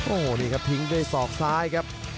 โอ้โหนี่ครับทิ้งด้วยศอกซ้ายครับ